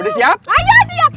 aduh pasti kompak pasti kompak